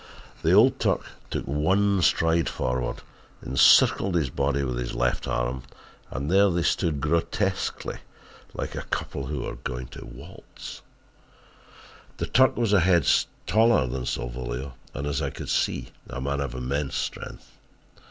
"The old Turk took one stride forward, encircled his body with his left arm, and there they stood grotesquely like a couple who were going to start to waltz. The Turk was a head taller than Salvolio and, as I could see, a man of immense strength.